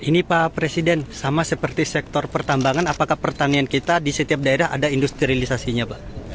ini pak presiden sama seperti sektor pertambangan apakah pertanian kita di setiap daerah ada industrialisasinya pak